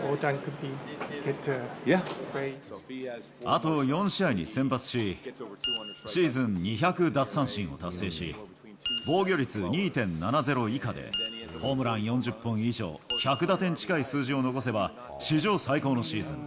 あと４試合に先発し、シーズン２００奪三振を達成し、防御率２．７０以下で、ホームラン４０本以上、１００打点近い数字を残せば、史上最高のシーズン。